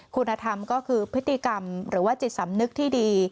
คุณธรรมก็คือพฤติกรรมหรือว่าจิตสำนึกที่ดี